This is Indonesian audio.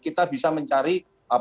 kita bisa mencari